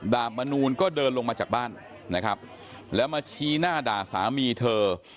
บนนูลก็เดินลงมาจากบ้านนะครับแล้วมาชี้หน้าด่าสามีเธอ